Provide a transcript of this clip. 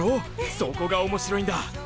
そこが面白いんだ！